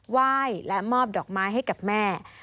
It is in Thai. ไหว้และมอบดอกไม้ให้กับแม่